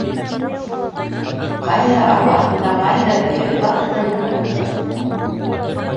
Ҡайһыһы арба аҫтында, ҡайһыһы өйәңке аҫтында йоҡлап яталар ине.